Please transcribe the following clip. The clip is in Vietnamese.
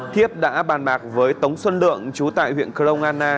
thiếp đã bàn bạc với tống xuân lượng chú tại huyện kronana